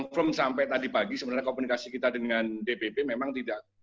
firm sampai tadi pagi sebenarnya komunikasi kita dengan dpp memang tidak